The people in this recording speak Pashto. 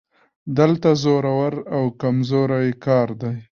دلته زورور او کمزوری کار دی